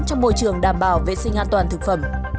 trong môi trường đảm bảo vệ sinh an toàn thực phẩm